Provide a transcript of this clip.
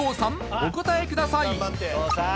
お答えください